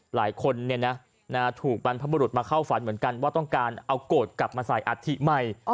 หลายคนถูกบรรพบุรุษมาเข้าฝันเหมือนกันว่าต้องการเอาโกรธกลับมาใส่อัฐิใหม่